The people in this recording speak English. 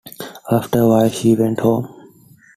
After a while she went home.